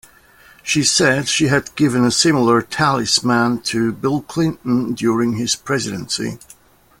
She said she had given a similar talisman to Bill Clinton during his presidency.